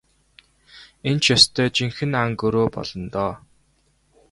Энэ ч ёстой жинхэнэ ан гөрөө болно доо.